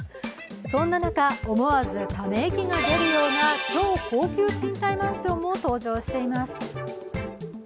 そんな中、思わずため息が出るような超高級賃貸マンションも登場しています。